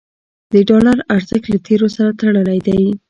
د ډالر ارزښت له تیلو سره تړلی دی.